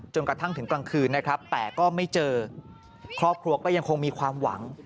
กระทั่งถึงกลางคืนนะครับแต่ก็ไม่เจอครอบครัวก็ยังคงมีความหวัง